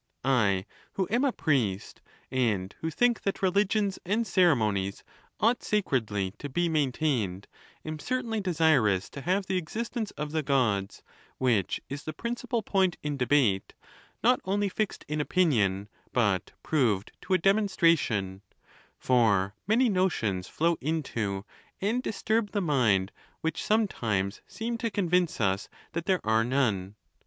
I, who am a priest, and who think that religions and ceremonies ought sacredly to be maintained, am certainly desirous to have the existence of the Gods, which is the principal point in debate, not only fixed in opinion, but proved to a demonstration ; for many notions flow into and disturb the mind which some times seem to convince us that there are none.